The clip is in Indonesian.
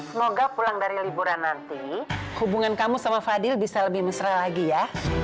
semoga pulang dari liburan nanti hubungan kamu sama fadil bisa lebih mesra lagi ya